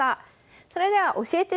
それでは「教えて！